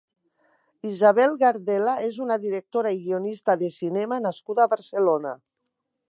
Isabel Gardela és una directora i guionista de cinema nascuda a Barcelona.